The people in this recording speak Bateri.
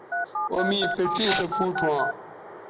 او میوں پڇے سو پوڇ ھواں